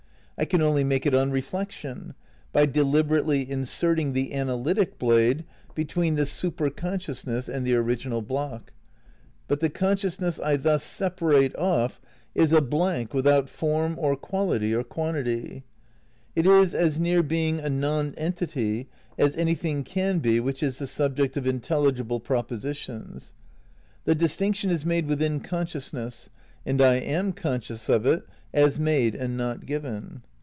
I can only make it on reflection, by deliberately inserting the analytic blade between this superoonsciousiless and the original block; but the consciousness I thus separate off is a blank without form or quality or quantity ; it is as near being a non entity as anything can be which is the subject of intelligible propositions. The distinction is made within consciousness, and I am conscious of it as made and not given.